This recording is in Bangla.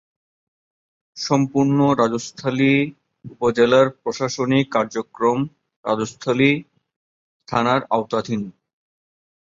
সম্পূর্ণ রাজস্থলী উপজেলার প্রশাসনিক কার্যক্রম রাজস্থলী থানার আওতাধীন।